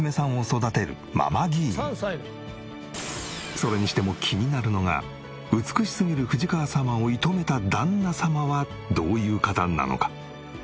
それにしても気になるのが美しすぎる藤川様を射止めた旦那様はどういう方なのか？